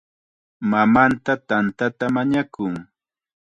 Mamanta tantata mañakun.